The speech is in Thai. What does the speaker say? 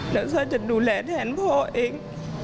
เดี๋ยวซ่อยจะดูแลแทนพ่อเอง